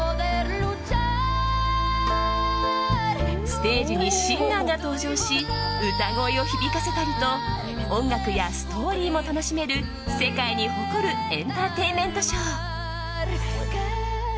ステージにシンガーが登場し歌声を響かせたりと音楽やストーリーも楽しめる世界に誇るエンターテインメントショー。